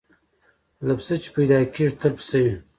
له پسه چي پیدا کیږي تل پسه وي